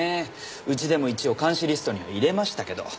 うちでも一応監視リストには入れましたけど。